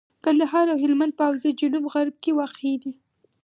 کندهار او هلمند په حوزه جنوب غرب کي واقع دي.